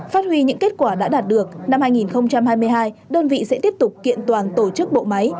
phát huy những kết quả đã đạt được năm hai nghìn hai mươi hai đơn vị sẽ tiếp tục kiện toàn tổ chức bộ máy